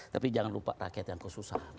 tapi jangan lupa rakyat yang kesusahan